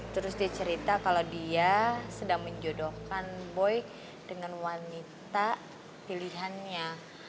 terus dia cerita kalau dia sedang menjodohkan boy dengan wanita pilihannya